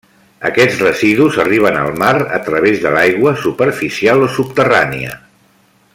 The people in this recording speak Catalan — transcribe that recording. Aquests residus arriben al mar a través de l'aigua, superficial o subterrània.